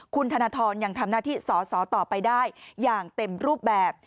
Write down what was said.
คุณธนทรยังทำหน้าที่สอสอต่อไปได้อย่างเต็มรูปแบบ